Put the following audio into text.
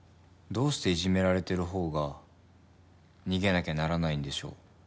どうしていじめられてる方が逃げなきゃならないんでしょう。